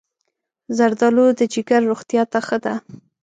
زردالو د جگر روغتیا ته ښه ده.